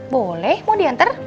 boleh mau diantar